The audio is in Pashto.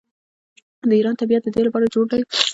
د ایران طبیعت د دې لپاره جوړ دی.